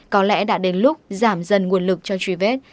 có lẽ đã đến lúc giảm dần nguồn lực cho truy vết